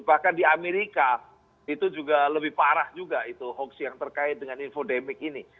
bahkan di amerika itu juga lebih parah juga itu hoax yang terkait dengan infodemik ini